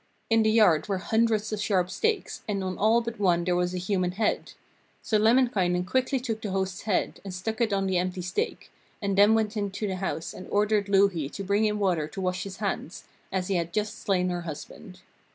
In the yard were hundreds of sharp stakes, and on all but one there was a human head. So Lemminkainen quickly took the host's head and stuck it on the empty stake, and then went into the house and ordered Louhi to bring him water to wash his hands, as he had just slain her husband.